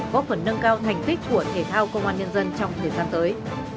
góp phần nâng cao thành tích của thể thao công an nhân dân trong thời gian tới